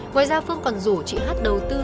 ngoài ra phương còn rủ chị hát đầu tư